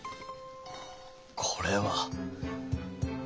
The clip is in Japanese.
これは」。